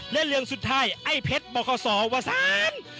และเรื่องสุดท้ายไอ้เพชรบอกเขาสอว่าสาน